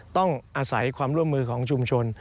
ต้องอาศัยความร่วมมือของชุมชน